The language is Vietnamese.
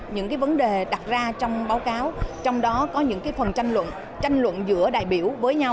những vấn đề đặt ra trong báo cáo trong đó có những phần tranh luận tranh luận giữa đại biểu với nhau